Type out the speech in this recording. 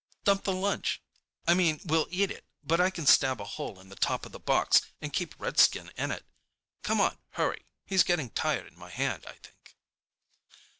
"Dump the lunch. I mean—we'll eat it, but I can stab a hole in the top of the box and keep Redskin in it. Come on, hurry! He's getting tired in my hand I think!"